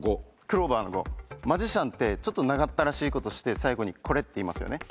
マジシャンってちょっと長ったらしいことして最後に「これ」って言いますよね。